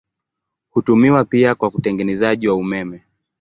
Hutumiwa pia kwa utengenezaji wa umeme.